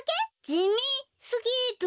じみすぎる。